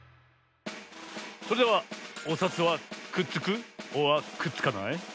それではおさつはくっつくｏｒくっつかない？